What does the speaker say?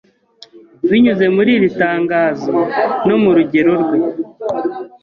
Binyuze muri iri tangazo no mu rugero rwe,